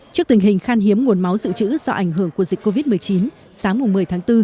trước tình hình khan hiếm nguồn máu dự trữ do ảnh hưởng của dịch covid một mươi chín sáng một mươi tháng bốn